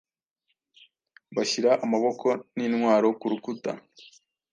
Bashyira amaboko nintwaro ku rukuta